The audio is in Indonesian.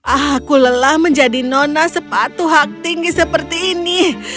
aku lelah menjadi nona sepatu hak tinggi seperti ini